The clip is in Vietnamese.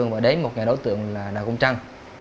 và đến một nhà đối tượng là đảo công trân